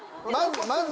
まず。